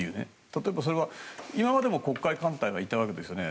例えば、今までも黒海艦隊はいたわけですよね。